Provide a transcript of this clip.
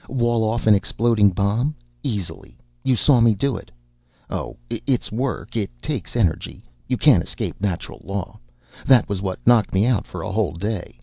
Wall off an exploding bomb? Easily! You saw me do it. Oh, it's work. It takes energy you can't escape natural law. That was what knocked me out for a whole day.